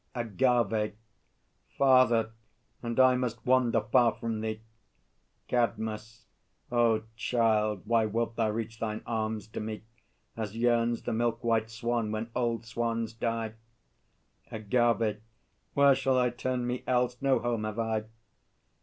AGAVE. Father! And I must wander far from thee! CADMUS. O Child, why wilt thou reach thine arms to me, As yearns the milk white swan, when old swans die? AGAVE. Where shall I turn me else? No home have I.